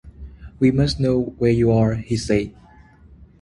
“We must know where you are,” he said.